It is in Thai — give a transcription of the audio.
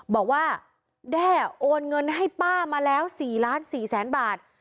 บอกว่าแด้โอนเงินให้ป้ามาแล้ว๔ล้าน๔แสนบาท